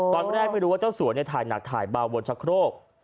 ตอนแรกไม่รู้ว่าเจ้าสัวถ่ายหนักถ่ายเบาบนชะโครก